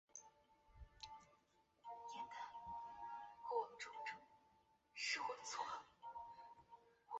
在历史上波普勒曾是米德塞克斯的一部分。